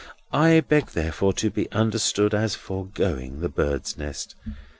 I beg, therefore, to be understood as foregoing the bird's nest.